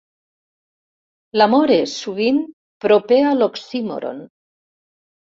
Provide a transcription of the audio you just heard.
L'amor és, sovint, proper a l'oxímoron.